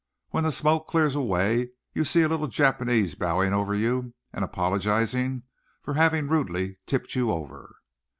When the smoke clears away you see a little Japanese bowing over you, and apologizing for having rudely tipped you over."